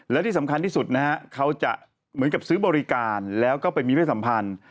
และที่สำคัญที่สุดนะฮะเขาจะเหมือนกับซื้อบริการแล้วก็ไปมีเพศสัมพันธ์